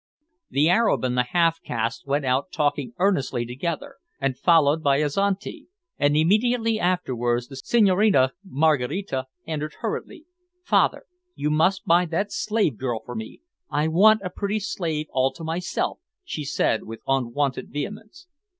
The Arab and the half caste went out talking earnestly together, and followed by Azinte, and immediately afterwards the Senhorina Maraquita entered hurriedly. "Father, you must buy that slave girl for me. I want a pretty slave all to myself," she said, with unwonted vehemence.